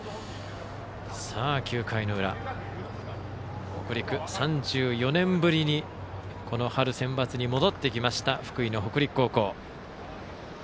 ９回の裏３４年ぶりに春センバツに戻ってきた福井の北陸高校。